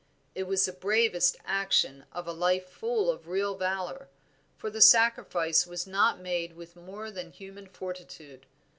It was the bravest action of a life full of real valor, for the sacrifice was not made with more than human fortitude.